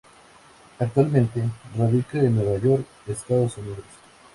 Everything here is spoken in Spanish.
Actualmente, radica en Nueva York, Estados Unidos.